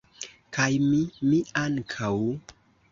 kaj mi, mi ankaŭ!